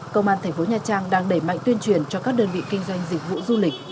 công an thành phố nha trang đang đẩy mạnh tuyên truyền cho các đơn vị kinh doanh dịch vụ du lịch